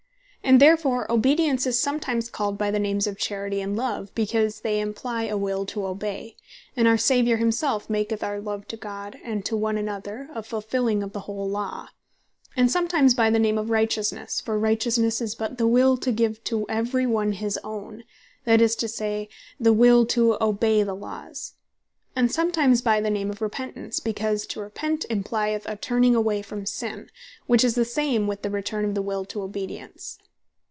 And therefore Obedience, is sometimes called by the names of Charity, and Love, because they imply a Will to Obey; and our Saviour himself maketh our Love to God, and to one another, a Fulfilling of the whole Law: and sometimes by the name of Righteousnesse; for Righteousnesse is but the will to give to every one his owne, that is to say, the will to obey the Laws: and sometimes by the name of Repentance; because to Repent, implyeth a turning away from sinne, which is the same, with the return of the will to Obedience.